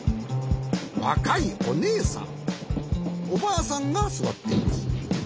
わかいおねえさんおばあさんがすわっています。